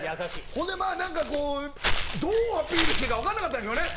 ほんでまあなんかこうどうアピールしていいかわかんなかったんでしょうね。